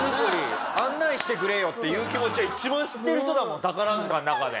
「案内してくれよ」って言う気持ちは一番知ってる人だもん宝塚の中で。